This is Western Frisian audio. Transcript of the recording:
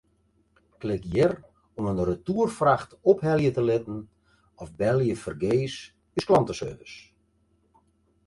Klik hjir om in retoerfracht ophelje te litten of belje fergees ús klanteservice.